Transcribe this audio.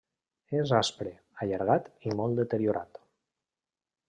És aspre, allargat i molt deteriorat.